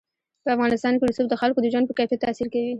په افغانستان کې رسوب د خلکو د ژوند په کیفیت تاثیر کوي.